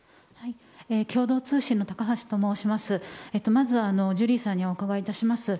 まず、ジュリーさんにお伺いいたします。